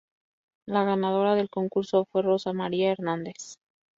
La ganadora del concurso fue Rosa María Hernández.